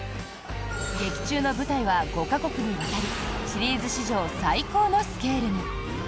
劇中の舞台は５か国にわたりシリーズ史上最高のスケールに。